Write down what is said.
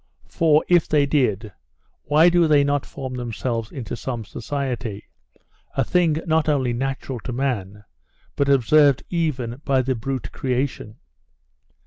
For, if they did, why do they not form themselves into some society? a thing not only natural to man, but observed even by the brute creation.